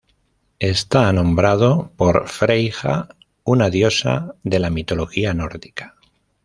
Está nombrado por Freyja, una diosa de la mitología nórdica.